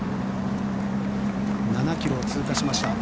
７ｋｍを通過しました。